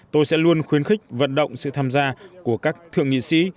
tôi sẽ luôn khuyến khích vận động sự tham gia của các thượng nghị sĩ